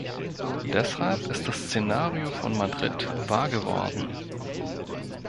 Deshalb ist das Szenario von Madrid wahr geworden.